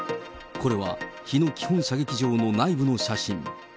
これは日野基本射撃場の内部の写真。